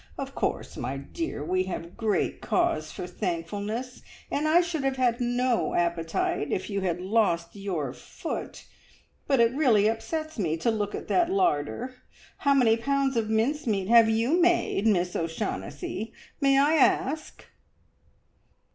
Of course, my dear, we have great cause for thankfulness, and I should have had no appetite if you had lost your foot; but it really upsets me to look at that larder! How many pounds of mincemeat have you made, Miss O'Shaughnessy, may I ask?"